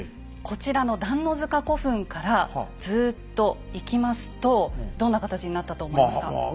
こちらの段ノ塚古墳からずといきますとどんな形になったと思いますか？